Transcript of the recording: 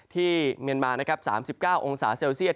ที่เมียนไมาน๓๙องศาเซลเซียน